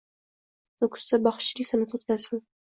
Nukusda baxshichilik sanʼati oʻtkaziidi.